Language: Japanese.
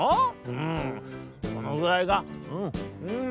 うんこのぐらいがうんうん」。